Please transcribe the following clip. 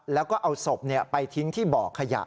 แล้วก็เอาศพไปทิ้งที่บ่อขยะ